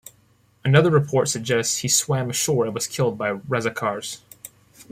Another report suggest he swam ashore and was killed by Razakars.